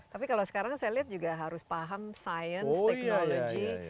tapi kalau sekarang saya lihat juga harus paham science technology